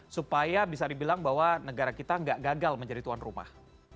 supaya bisa dibilang bahwa negara kita nggak gagal menjadi tuan rumah